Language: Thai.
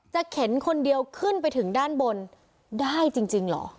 เข็นคนเดียวขึ้นไปถึงด้านบนได้จริงเหรอ